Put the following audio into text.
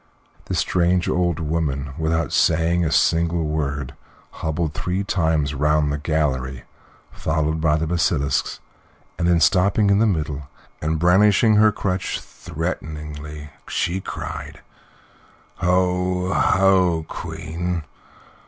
This strange old woman, without saying a single word, hobbled three times round the gallery, followed by the basilisks, then stopping in the middle, and brandishing her crutch threateningly, she cried: "Ho, ho, Queen!